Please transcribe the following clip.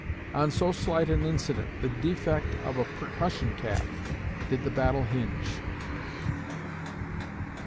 On so slight an incident the defect of a percussion cap did the battle hinge.